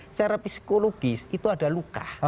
secara psikologis itu ada luka